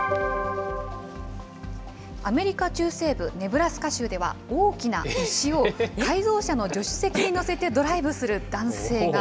アメリカ中西部ネブラスカ州では大きな牛を改造車の助手席に乗せてドライブする男性が。